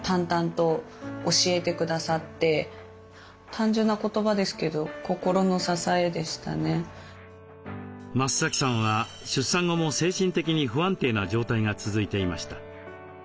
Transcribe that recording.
単純な言葉ですけど増さんは出産後も精神的に不安定な状態が続いていました。